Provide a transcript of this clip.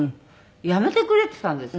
「やめてくれ」って言ったんです。